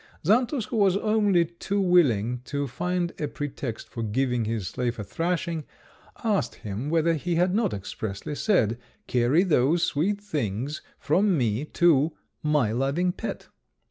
Xantus, who was only too willing to find a pretext for giving his slave a thrashing, asked him whether he had not expressly said, "Carry those sweet things from me to my loving pet?"